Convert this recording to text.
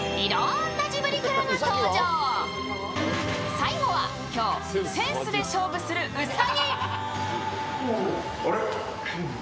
最後は今日、センスで勝負する兎。